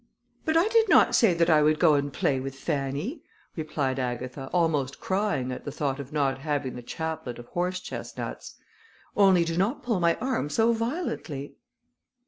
"But I did not say that I would go and play with Fanny," replied Agatha, almost crying at the thought of not having the chaplet of horse chestnuts, "only do not pull my arm so violently."